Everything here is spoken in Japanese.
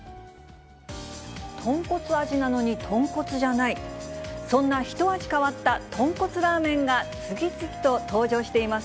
豚骨味なのに豚骨じゃない、そんなひと味変わった豚骨ラーメンが次々と登場しています。